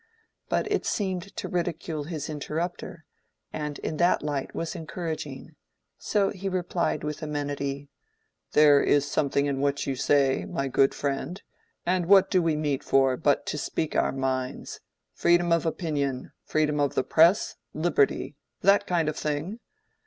But it seemed to ridicule his interrupter, and in that light was encouraging; so he replied with amenity— "There is something in what you say, my good friend, and what do we meet for but to speak our minds—freedom of opinion, freedom of the press, liberty—that kind of thing?